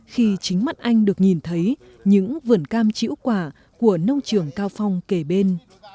khi chính mắt anh được nhìn thấy những vườn cam chữ quả của nông trường cao phong kể bên